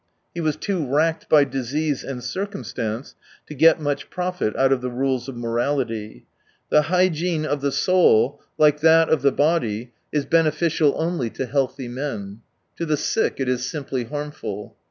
He was too racked by disease and circum stance to get much profit out of the rules of morality. The hygiene of the soul, 155 like that of the body, is beneficial only to healthy naen. To the sick it is simply harmful.